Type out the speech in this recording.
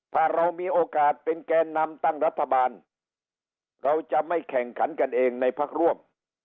ถ้าเรามีโอกาสเป็นแกนนำตั้งรัฐบาลเราจะไม่แข่งขันกันเองในพักร่วม